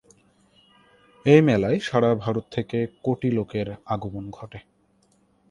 এই মেলায় সারা ভারত থেকে কোটি লোকের আগমন ঘটে।